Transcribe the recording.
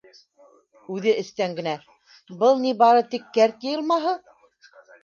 Үҙе эстән генә: —Был ни бары тик кәрт йыйылмаһы!